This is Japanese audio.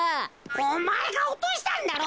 おまえがおとしたんだろ。